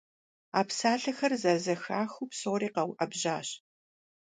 А псалъэхэр зэрызэхахыу псори къэуӀэбжьащ.